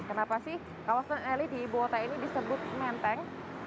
kenapa sih kawasan elit di ibu kota ini disebut menteng